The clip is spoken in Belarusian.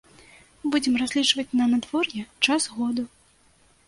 Будзем разлічваць на надвор'е, час году.